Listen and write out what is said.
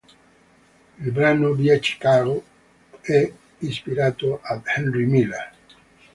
Il brano "Via Chicago" è ispirato ad Henry Miller.